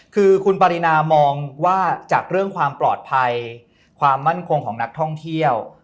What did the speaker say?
คือคุณปรินามองว่าจากเรื่องความปลอดภัยความมั่นคงของนักท่องเที่ยว